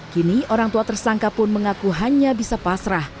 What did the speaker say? kini orang tua tersangka pun mengaku hanya bisa pasrah